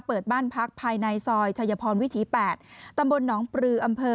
เปิดบ้านพักภายในซอยเฉยพรวิถี๘ตำบลน้องปรือ